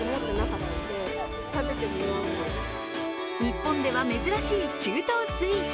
日本では珍しい中東スイーツ。